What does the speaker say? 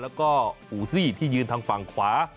แล้วก็อู่ซี่ที่ยืนทางฝั่งขวา